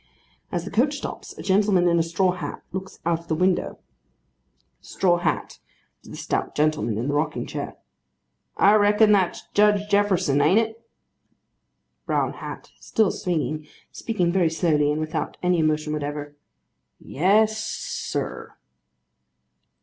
As the coach stops, a gentleman in a straw hat looks out of the window: STRAW HAT. (To the stout gentleman in the rocking chair.) I reckon that's Judge Jefferson, an't it? BROWN HAT. (Still swinging; speaking very slowly; and without any emotion whatever.) Yes, sir.